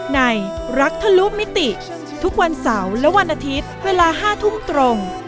รักทะลุมิติทุกวันเสาร์และวันอาทิตย์เวลา๕ทุ่มตรง